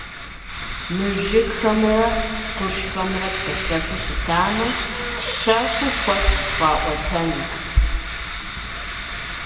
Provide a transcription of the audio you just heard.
Мы жыгхэмрэ къуршхэмрэ псэлъэфу щытамэ, щэху куэд къытхуаӏуэтэнут.